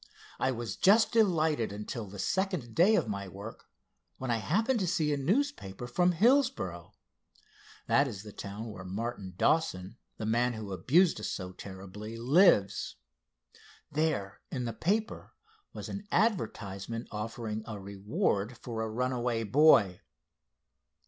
I was just delighted, until the second day of my work when I happened to see a newspaper from Hillsboro—that is the town where Martin Dawson, the man who abused us so terribly, lives. There, in the paper, was an advertisement offering a reward for a runaway boy."